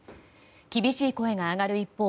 厳しい声が上がる一方